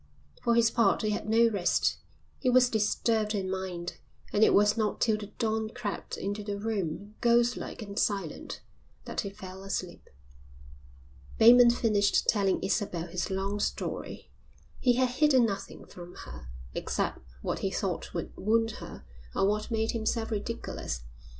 But for his part he had no rest, he was disturbed in mind, and it was not till the dawn crept into the room, ghostlike and silent, that he fell asleep. Bateman finished telling Isabel his long story. He had hidden nothing from her except what he thought would wound her or what made himself ridiculous.